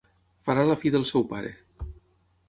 Farà la fi del seu pare.